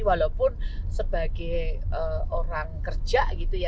walaupun sebagai orang kerja gitu ya